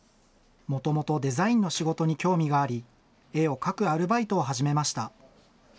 もともとデザインの仕事に興味があり、絵を描くアルバイトを始めました。